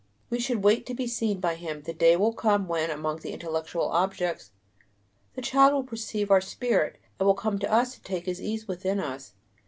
We should "wait to be seen" by him; the day will come when, among all the intellectual objects, the child will perceive our spirit, and will come to us to take his ease within us.